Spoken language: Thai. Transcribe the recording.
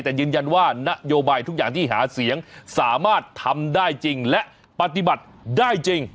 แต่ยืนยันว่านโยบายทุกอย่างที่หาเสียงสามารถทำได้จริงและปฏิบัติได้จริง